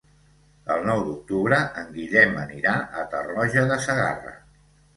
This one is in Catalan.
El nou d'octubre en Guillem anirà a Tarroja de Segarra.